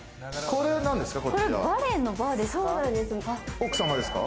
これはバレエのバーですか？